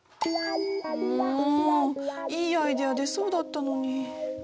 もういいアイデア出そうだったのに。